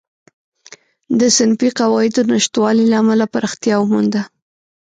د صنفي قواعدو نشتوالي له امله پراختیا ومونده.